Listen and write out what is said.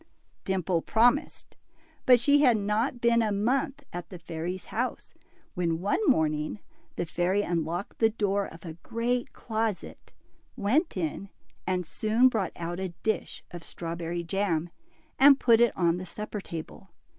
Dimple promised, but she had not been a month at the fairy's house, when one morning, the fairy un locked the door of a great closet, went in, and soon brought out a dish of strawberry jam, and put it on the supper table.